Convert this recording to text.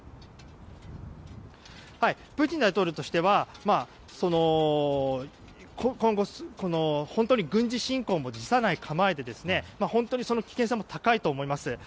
プーチン大統領としては今後、本当に軍事侵攻も辞さない構えで本当にその危険性も高いと思います。